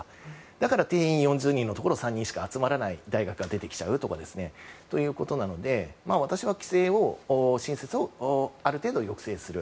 だから定員４０人のところ３人しか集まらない大学が出てきちゃうというところなので私は新設をある程度抑制する